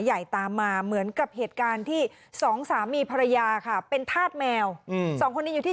ใหญ่ตามมาเหมือนกับเหตุการณ์ที่สองสามีภรรยาค่ะเป็นธาตุแมวสองคนนี้อยู่ที่